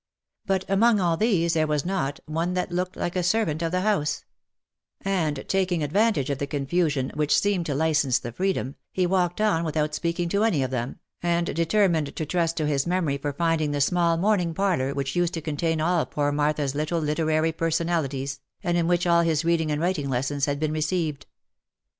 Bu t among all these, there was not one that looked like a servant of the house ; and taking advantage of the confusion which seemed to license the freedom, he walked on without speaking to any of them, and determined to trust to his memory for finding the small morning parlour which used to contain all poor Martha's little literary personal ties, and in which all his reading and writing lessons had been re ceived.